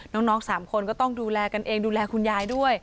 น้อง๓คนก็ต้องดูแลกันเองดูแลคุณยายด้วย